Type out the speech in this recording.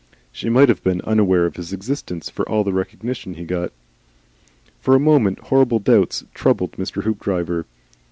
She might have been unaware of his existence for all the recognition he got. For a moment horrible doubts troubled Mr. Hoopdriver.